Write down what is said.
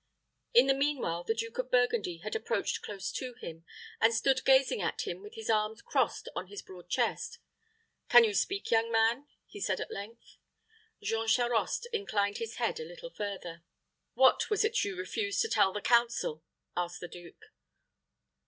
In the mean while, the Duke of Burgundy had approached close to him, and stood gazing at him with his arms crossed on his broad chest. "Can you speak, young man?" he said, at length. Jean Charost inclined his head a little further. "What was it you refused to tell the council?" asked the duke.